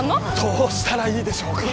どうしたらいいでしょうか？